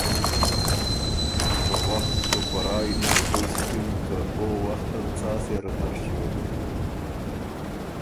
په وخت او په رایٛ نک پویٛ سُکِن که او وختل څا سېره تر ݭیوک